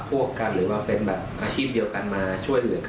และยืนยันเหมือนกันว่าจะดำเนินคดีอย่างถึงที่สุดนะครับ